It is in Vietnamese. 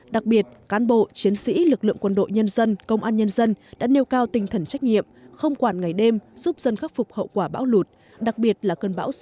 đặc biệt cán bộ chiến sĩ lực lượng quân đội nhân dân công an nhân dân đã nêu cao tinh thần trách nhiệm không quản ngày đêm giúp dân khắc phục hậu quả bão lụt đặc biệt là cơn bão số năm